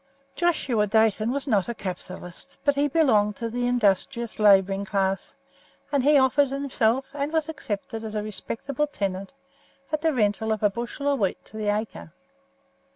Joshua Dayton was not a capitalist, but he belonged to the Industrious Labouring Class, and he offered himself, and was accepted as a Respectable Tenant, at the rental of a bushel of wheat to the acre.